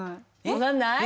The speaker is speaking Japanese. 分かんない？